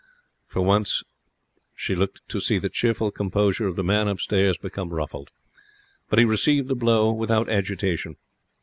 For once she looked to see the cheerful composure of the man upstairs become ruffled; but he received the blow without agitation.